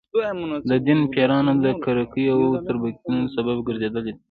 د دین پیروانو د کرکې او تربګنیو سبب ګرځېدلي دي.